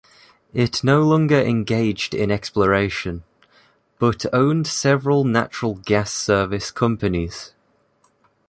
It no longer engaged in exploration, but owned several natural gas service companies.